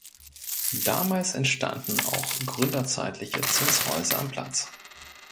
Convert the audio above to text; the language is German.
Damals entstanden auch gründerzeitliche Zinshäuser am Platz.